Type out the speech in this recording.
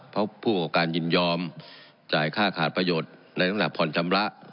เพราะผู้ประกอบการยินยอมจ่ายค่าขาดประโยชน์ในตั้งแต่ผ่อนชำระ